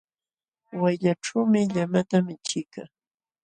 Wayllaćhuumi llamata michiykaa.